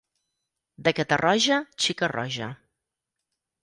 De Catarroja, xica roja.